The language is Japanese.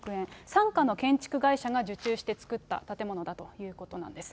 傘下の建築会社が受注して作った建物だということなんです。